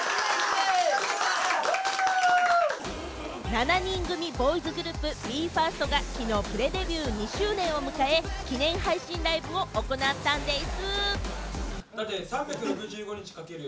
７人組ボーイズグループ・ＢＥ：ＦＩＲＳＴが、きのう、プレデビュー２周年を迎え、記念配信ライブを行ったんでぃす。